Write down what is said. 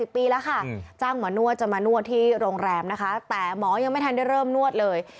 ปีแล้วค่ะจ้างหมอนวดจะมานวดที่โรงแรมนะคะแต่หมอยังไม่ทันได้เริ่มนวดเลย